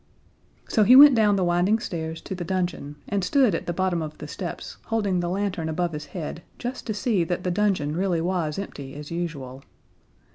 So he went down the winding stairs to the dungeon and stood at the bottom of the steps, holding the lantern above his head just to see that the dungeon really was empty, as usual.